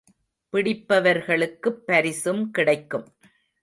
பிடிப்பவர்களுக்குப் பரிசும் கிடைக்கும்.